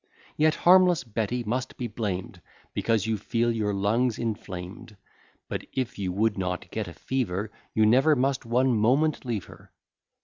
Yet harmless Betty must be blamed Because you feel your lungs inflamed But if you would not get a fever, You never must one moment leave her.